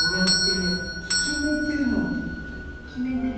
決めてるの。